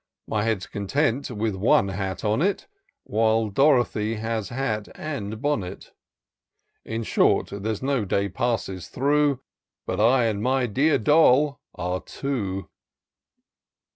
My head's content with one hat on it. While Dorothy has hat and bonnet : In short, there'd no day passes through, But I and my dear Doll are two.